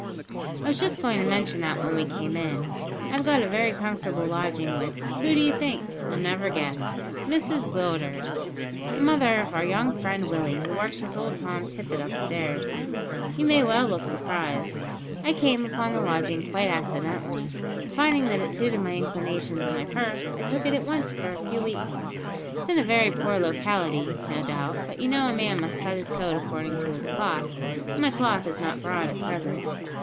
"I was just going to mention that when we came in. I have got a very comfortable lodging with who do you think? you'll never guess Mrs Willders, the mother of our young friend Willie who works with old Tom Tippet upstairs. You may well look surprised. I came upon the lodging quite accidentally, and, finding that it suited my inclinations and my purse, I took it at once for a few weeks. It's in a very poor locality, no doubt, but you know a man must cut his coat according to his cloth, and my cloth is not broad at present.